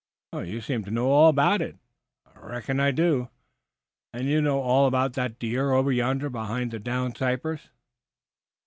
"You seem to know all about it." "I reckon I do." "And you know all about that deer over yonder behind the down cypress?"